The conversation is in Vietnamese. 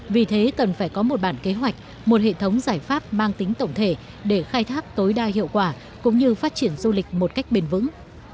vì thế cần phải có một bản kế hoạch một hệ thống giải pháp mang tính tổng thể để khai thác tối đa hiệu quả cũng như phát triển du lịch một cách bền vững